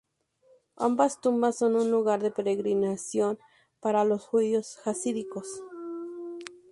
Ambas tumbas son un lugar de peregrinación para los judíos jasídicos.